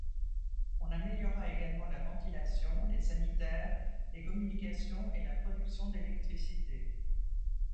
On améliora également la ventilation, les sanitaires, les communications et la production d'électricité.